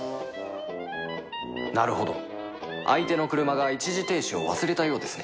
なるほど相手の車が一時停止を忘れたようですね